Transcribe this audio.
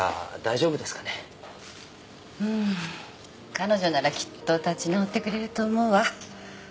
彼女ならきっと立ち直ってくれると思うわ。